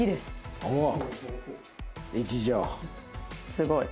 すごい。